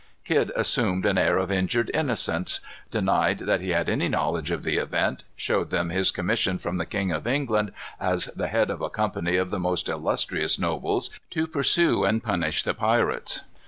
Kidd assumed an air of injured innocence, denied that he had any knowledge of the event, showed them his commission from the King of England as the head of a company of the most illustrious nobles to pursue and punish the pirates.